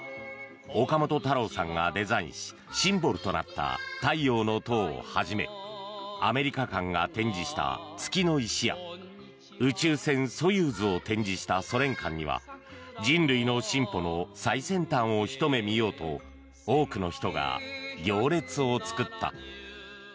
岡本太郎さんがデザインしシンボルとなった太陽の塔をはじめアメリカ館が展示した月の石や宇宙船ソユーズを展示したソ連館には人類の進歩の最先端をひと目見ようと多くの人が行列を作った。